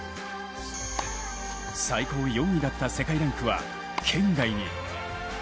最高４位だった世界ランクは圏外に。